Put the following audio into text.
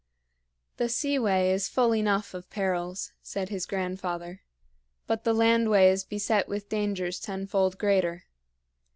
"The seaway is full enough of perils," said his grandfather, "but the landway is beset with dangers tenfold greater.